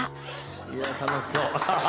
いや楽しそう。